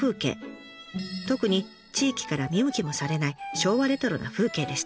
特に地域から見向きもされない昭和レトロな風景でした。